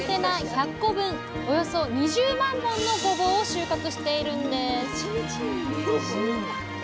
およそ２０万本のごぼうを収穫しているんです